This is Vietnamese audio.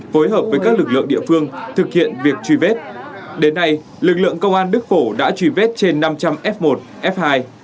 phối hợp với các lực lượng địa phương thực hiện việc truy vết đến nay lực lượng công an đức phổ đã truy vết trên năm trăm linh f một f hai